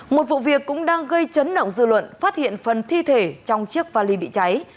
một vụ việc cũng đang gây chấn động dư luận phát hiện phần thi thể trong chiếc pha ly bị cháy